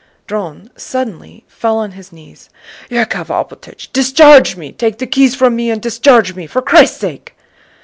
Dron suddenly fell on his knees. "Yákov Alpátych, discharge me! Take the keys from me and discharge me, for Christ's sake!"